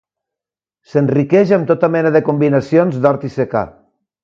s'enriqueix amb tota mena de combinacions d'hort i secà